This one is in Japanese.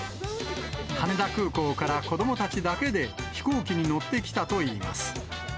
羽田空港から子どもたちだけで、飛行機に乗ってきたといいます。